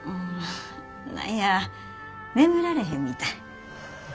何や眠られへんみたい。